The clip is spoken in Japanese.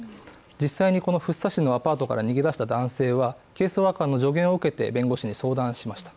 実際に福生市のアパートから逃げ出した男性はケースワーカーの助言を受けて弁護士に相談しました。